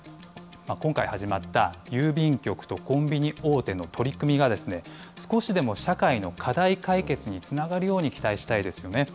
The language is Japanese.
今回始まった郵便局とコンビニ大手の取り組みが、少しでも社会の課題解決につながるように期待したいですよね。